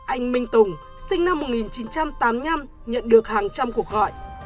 anh minh tùng sinh năm một nghìn chín trăm tám mươi năm nhận được hàng trăm cuộc gọi